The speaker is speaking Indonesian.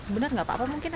benar nggak pak